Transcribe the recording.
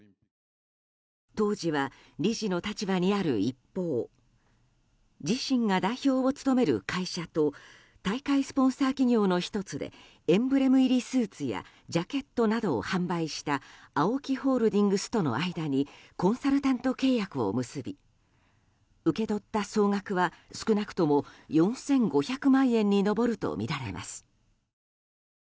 当時は理事の立場にある一方自身が代表を務める会社と大会スポンサー企業の１つでエンブレム入りスーツやジャケットなどを販売したＡＯＫＩホールディングスとの間にコンサルタント契約を結び受け取った総額は少なくとも４５００万円に上るとみられます。